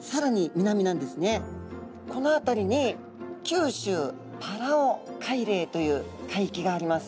この辺りに九州パラオ海嶺という海域があります。